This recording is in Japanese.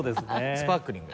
スパークリングです。